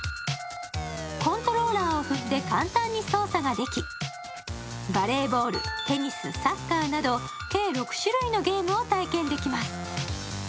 コントローラーを振って、簡単に操作ができ、バレーボール、テニス、サッカーなど計６種類のゲームを体験できます。